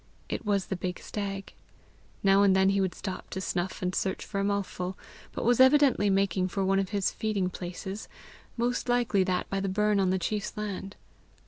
It was the big stag. Now and then he would stop to snuff and search for a mouthful, but was evidently making for one of his feeding places most likely that by the burn on the chief's land.